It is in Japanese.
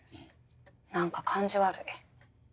なんか感じ悪い。